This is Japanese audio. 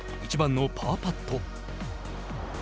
１番のパーパット。